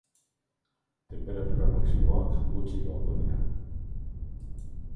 Tenperatura maximoak gutxi igoko dira.